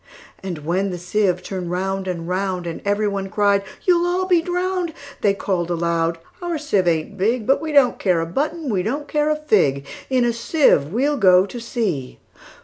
And when the sieve turn'd round and round, And every one cried, "You 'll be drown'd!"They call'd aloud, "Our sieve ain't big:But we don't care a button; we don't care a fig:In a sieve we 'll go to sea!"